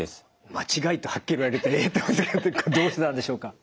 「間違い」とはっきり言われると「えっ！」ってこれどうしてなんでしょうか？